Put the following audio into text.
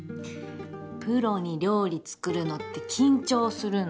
プロに料理作るのって緊張するの